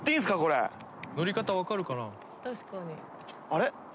あれ？